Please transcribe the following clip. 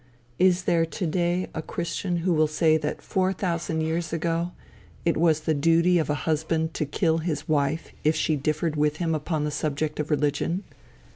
Is there to day a christian who will say that four thousand years ago, it was the duty of a husband to kill his wife if she differed with him upon the subject of religion?